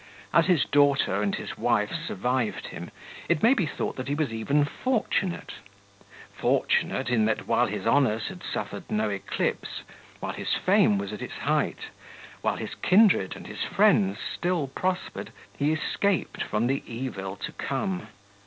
As his daughter and his wife survived him, it may be thought that he was even fortunate—fortunate, in that while his honours had suffered no eclipse, while his fame was at its height, while his kindred and his friends still prospered, he escaped from the evil to come.